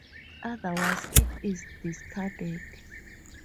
Otherwise, it is discarded.